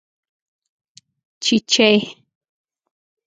🐤چېچۍ